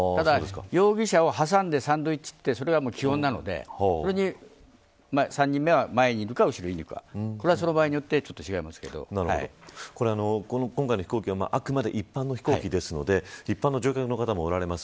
容疑者を挟んでサンドイッチが基本なのでそれに３人目は前にいるか、後ろにいるかこれは場合によって今回の飛行機はあくまで一般の飛行機ですので一般の乗客の方もおられます。